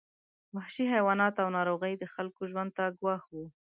وحشي حیوانات او ناروغۍ د خلکو ژوند ته ګواښ وو.